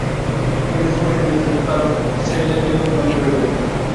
এগুলি স্পষ্ট নিদর্শন, কিন্তু তারা দাম্ভিকই রয়ে গেল।